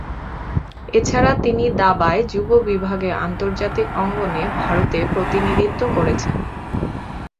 এছাড়া তিনি দাবায় যুব বিভাগে আন্তর্জাতিক অঙ্গনে ভারতে প্রতিনিধিত্ব করেছেন।